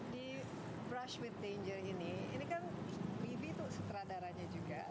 di brush with danger ini ini kan bibi itu sutradaranya juga